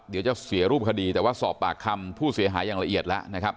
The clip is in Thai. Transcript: เดี๋ยวจะเสียรูปคดีแต่ว่าสอบปากคำผู้เสียหายอย่างละเอียดแล้วนะครับ